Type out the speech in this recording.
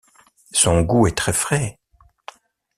Son goût est très frais.